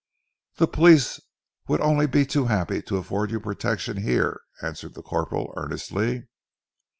"The police would only be too happy to afford you protection here," answered the corporal earnestly.